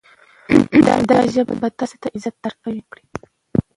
دا ژبه به تاسې ته عزت درکړي.